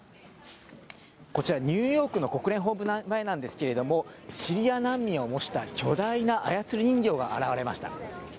こちらニューヨークの国連本部前なんですけれども、シリア難民を模した巨大な操り人形が現れました。